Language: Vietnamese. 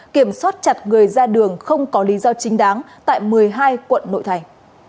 kiểm soát chặt người ra đường không có lý do chính đáng tại một mươi hai quận nội thành